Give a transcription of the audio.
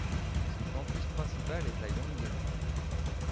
Son campus principal est à Yongin.